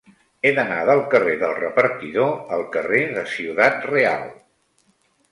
He d'anar del carrer del Repartidor al carrer de Ciudad Real.